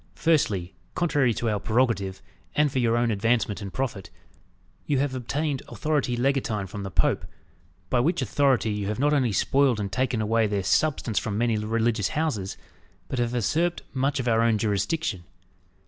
Firstly, contrary to our prerogative, and for your own advancement and profit, you have obtained authority legatine from the Pope; by which authority you have not only spoiled and taken away their substance from many religious houses, but have usurped much of our own jurisdiction.